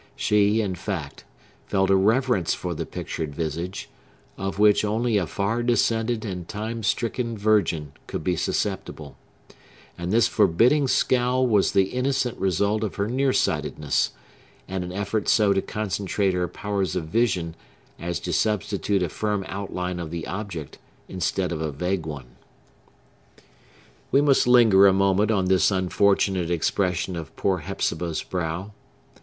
She, in fact, felt a reverence for the pictured visage, of which only a far descended and time stricken virgin could be susceptible; and this forbidding scowl was the innocent result of her near sightedness, and an effort so to concentrate her powers of vision as to substitute a firm outline of the object instead of a vague one. We must linger a moment on this unfortunate expression of poor Hepzibah's brow.